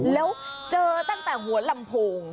แล้วเจอตั้งแต่หัวลำโพง